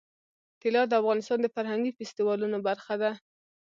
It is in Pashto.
طلا د افغانستان د فرهنګي فستیوالونو برخه ده.